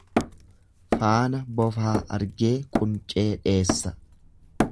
Faana bofaa argee quncee dheessa.